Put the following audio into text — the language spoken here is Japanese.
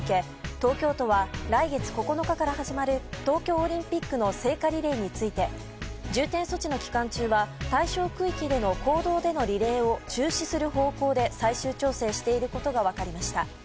東京都は来月９日から始まる東京オリンピックの聖火リレーについて重点措置の期間中は対象区域での公道でのリレーを中止する方向で最終調整していることが分かりました。